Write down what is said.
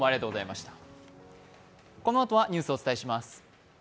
このあとはニュースをお伝えします。